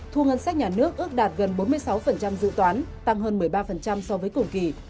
thu ngân sách nhà nước ước đạt gần bốn mươi sáu dự toán tăng hơn một mươi ba so với cùng kỳ